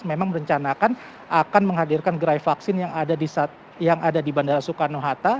memang merencanakan akan menghadirkan gerai vaksin yang ada di bandara soekarno hatta